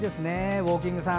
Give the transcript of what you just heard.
ウォーキングさん